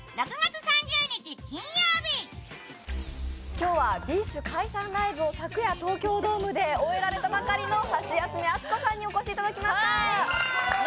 今日はＢｉＳＨ解散ライブを昨夜、東京ドームで終えられたばかりのハシヤスメ・アツコさんにお越しいただきました。